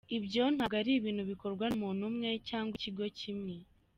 Ibyo ntabwo ari ibintu bikorwa n’umuntu umwe cyangwa ikigo kimwe.